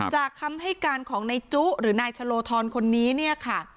คำให้การของนายจุหรือนายชะโลธรคนนี้เนี่ยค่ะ